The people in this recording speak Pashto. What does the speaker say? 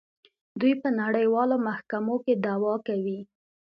دوی په نړیوالو محکمو کې دعوا کوي.